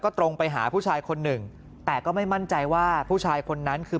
ตรงไปหาผู้ชายคนหนึ่งแต่ก็ไม่มั่นใจว่าผู้ชายคนนั้นคือ